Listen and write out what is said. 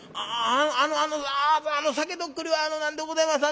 ああのあの酒徳利は何でございます